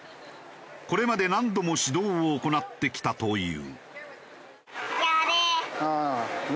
これまで何度も指導を行ってきたという。